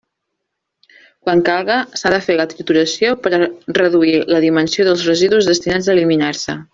Quan calga, s'ha de fer la trituració per a reduir la dimensió dels residus destinats a eliminar-se.